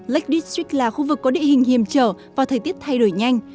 lake district là khu vực có địa hình hiềm trở và thời tiết thay đổi nhanh